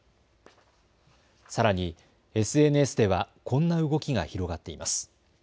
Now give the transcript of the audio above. さらにＳＮＳではこんな動きが広がっています。